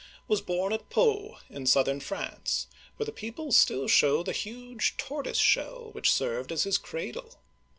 was born at Pau (p5) in southern France, where the people still show the huge tortoise shell which served as his cradle.